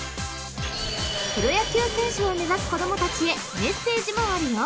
［プロ野球選手を目指す子供たちへメッセージもあるよ］